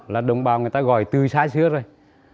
là đồng bào người ta gọi tươi sái xước rồi